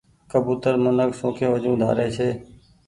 ڪبوتر منک شوکي وجون ڍاري ڇي۔